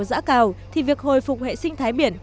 giã cào thì việc hồi phục hệ sinh thái biển